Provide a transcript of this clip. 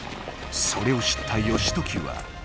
それを知った義時は。